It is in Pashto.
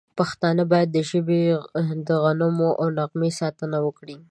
پښتانه باید د ژبې د غنمو او نغمې ساتنه وکړي.